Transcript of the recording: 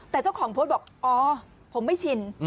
แต่เจ้าของโพสต์บอกอ๋อผมไม่ชิน